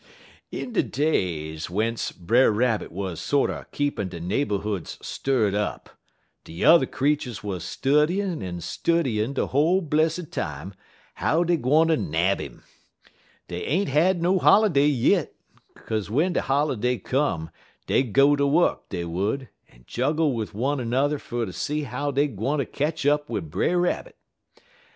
"In de days w'ence Brer Rabbit wuz sorter keepin' de neighborhoods stirred up, de yuther creeturs wuz studyin' en studyin' de whole blessid time how dey gwine ter nab 'im. Dey ain't had no holiday yit, 'kaze w'en de holiday come, dey'd go ter wuk, dey would, en juggle wid one er n'er fer ter see how dey gwine ter ketch up wid Brer Rabbit.